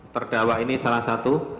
terdawa ini salah satu